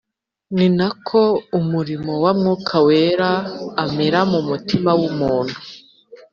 . Ni nako umurimo wa Mwuka Wera amera mu mutima w’umuntu